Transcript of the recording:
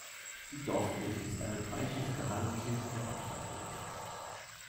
Die Dorfkirche ist eine dreischiffige Hallenkirche der Backsteingotik.